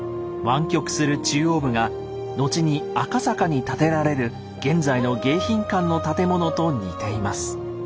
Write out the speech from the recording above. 湾曲する中央部が後に赤坂に建てられる現在の迎賓館の建物と似ています。